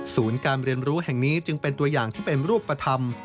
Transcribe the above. การเรียนรู้แห่งนี้จึงเป็นตัวอย่างที่เป็นรูปธรรม